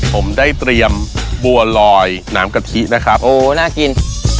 ผมได้เตรียมบัวลอยน้ำกะทินะครับโอ้น่ากิน